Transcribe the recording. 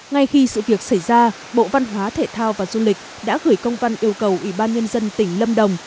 ngay khi sự việc xảy ra bộ văn hóa thể thao và du lịch đã gửi công văn yêu cầu ủy ban nhân dân tỉnh lâm đồng